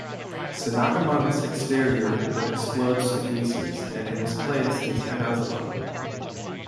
Sanagiman's exterior then explodes to pieces, and in his place is Inazuman.